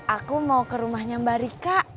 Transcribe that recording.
aku mau ke rumahnya mbak rika